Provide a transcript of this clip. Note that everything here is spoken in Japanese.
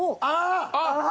ああ！